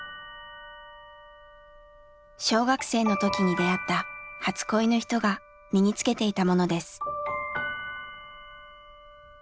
小学生の時に出会った初恋の人が身に着けていたものです。